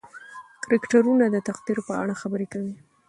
کرکټرونه د تقدیر په اړه خبرې کوي.